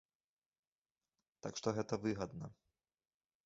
Так што гэта выгадна.